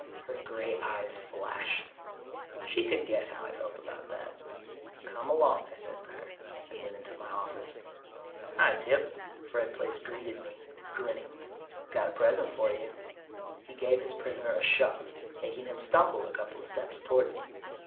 Her gray eyes flashed. She could guess how I felt about that. "Come along," I said to her, and went into my office. "Hi, Gyp," Fred Plaice greeted me, grinning. "Got a present for you." He gave his prisoner a shove, making him stumble a couple steps toward me.